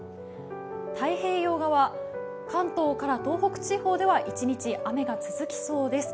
太平洋側、関東から東北地方では一日雨が続きそうです。